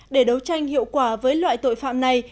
để đấu tranh hiệu quả với loại tội phạm này